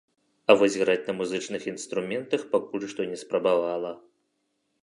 А вось граць на музычных інструментах пакуль што не спрабавала.